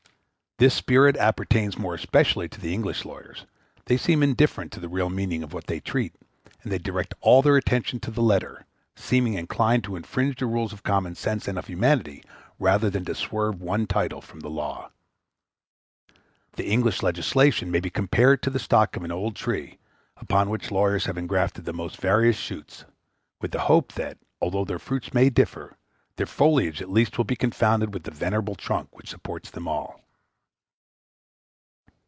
This spirit appertains more especially to the English lawyers; they seem indifferent to the real meaning of what they treat, and they direct all their attention to the letter, seeming inclined to infringe the rules of common sense and of humanity rather than to swerve one title from the law. The English legislation may be compared to the stock of an old tree, upon which lawyers have engrafted the most various shoots, with the hope that, although their fruits may differ, their foliage at least will be confounded with the venerable trunk which supports them all.